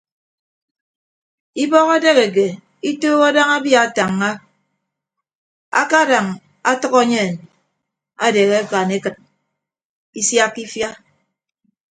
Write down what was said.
Ibọk edeheke itooho daña abia atañña akadañ atʌk enyen adehe akan ekịt isiakka ifia.